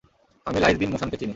আমি Laith bin মোশানকে চিনি।